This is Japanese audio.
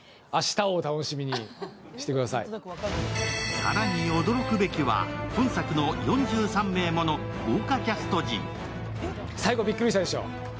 更に驚くべきは、今作の４３名もの豪華キャスト陣。